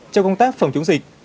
trong công tác phòng chống dịch